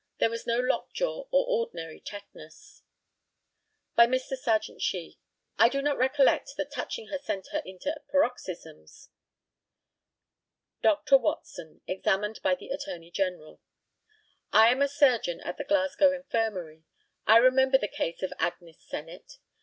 There was no lock jaw or ordinary tetanus. By Mr. Serjeant SHEE: I do not recollect that touching her sent her into paroxysms. Dr. WATSON, examined by the ATTORNEY GENERAL: I am a surgeon at the Glasgow Infirmary. I remember the case of Agnes Sennett.